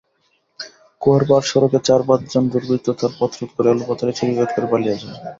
কুয়ারপাড় সড়কে চার-পাঁচজন দুর্বৃত্ত তাঁর পথরোধ করে এলাপাতাড়ি ছুরিকাঘাত করে পালিয়ে যায়।